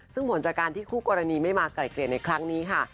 ซึ่งผลจากการที่คู่กรณีไม่มาไกลเกลี่ยในครั้งนี้ค่ะ